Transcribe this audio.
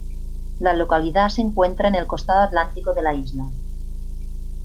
La localidad se encuentra en el costado Atlántico de la isla.